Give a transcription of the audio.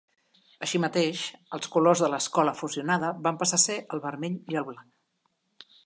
Així mateix, els colors de l'escola fusionada van passar a ser el vermell i el blanc.